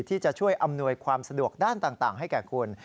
ที่จะช่วยอำนวยความสะดวกด้านต่างให้แก่คุณ